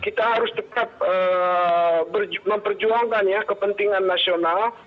kita harus tetap memperjuangkan ya kepentingan nasional